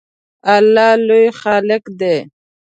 الله لوی خالق دی